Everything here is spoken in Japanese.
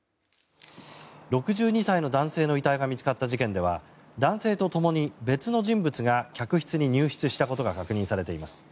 ６２歳の男性の遺体が見つかった事件では男性とともに別の人物が客室に入室したことが確認されています。